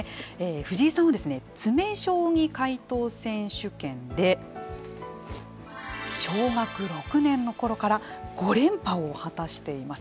藤井さんは詰将棋解答選手権で小学６年のころから５連覇を果たしています。